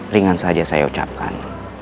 ringan saja saya ucapkan